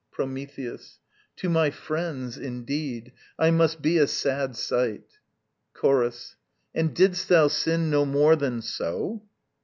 Prometheus. To my friends, indeed, I must be a sad sight. Chorus. And didst thou sin No more than so?